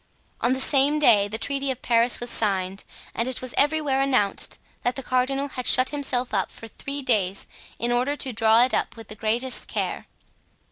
On the same day the Treaty of Paris was signed, and it was everywhere announced that the cardinal had shut himself up for three days in order to draw it up with the greatest care.